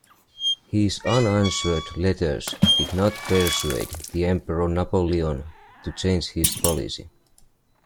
His unanswered letters did not persuade the Emperor Napoleon to change his policy.